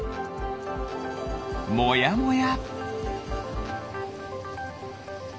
もやもや。